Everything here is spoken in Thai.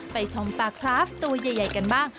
ไปชมปลาคลาฟตูใหญ่กันบ้าง